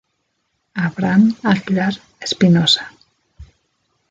Abraham Aguilar Espinosa.